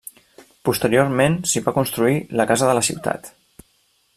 Posteriorment s'hi va construir la Casa de la Ciutat.